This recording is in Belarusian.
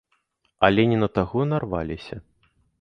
Але не на таго нарваліся.